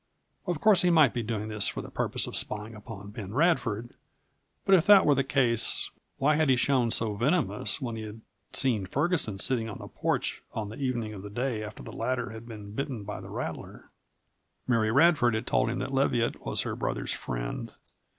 Of course he might be doing this for the purpose of spying upon Ben Radford, but if that were the case why had he shown so venomous when he had seen Ferguson sitting on the porch on the evening of the day after the latter had been bitten by the rattler? Mary Radford had told him that Leviatt was her brother's friend.